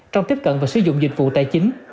trong tiếp cận và sử dụng dịch vụ tài chính